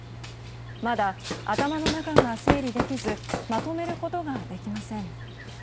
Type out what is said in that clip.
まだ、頭の中が整理できずまとめることができません。